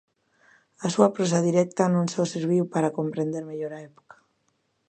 A súa prosa directa non só serviu para comprender mellor a época.